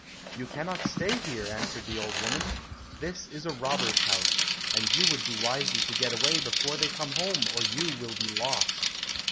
"You cannot stay here," answered the old woman; "this is a robber's house, and you would do wisely to get away before they come home, or you will be lost."